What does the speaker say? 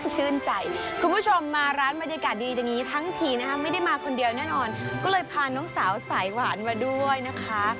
ชื่นใจคุณผู้ชมมาร้านบรรยากาศดีอย่างนี้ทั้งทีนะคะไม่ได้มาคนเดียวแน่นอนก็เลยพาน้องสาวสายหวานมาด้วยนะคะ